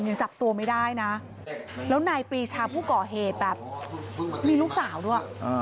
ยังจับตัวไม่ได้นะแล้วนายปรีชาผู้ก่อเหตุแบบมีลูกสาวด้วย